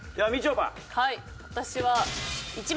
はい。